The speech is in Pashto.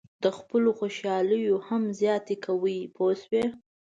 د خپلو خوشالیو هم زیاته کوئ پوه شوې!.